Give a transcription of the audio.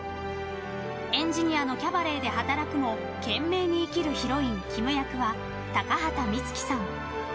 エンジニアのキャバレーで働くも懸命に生きるヒロインキム役は高畑充希さん。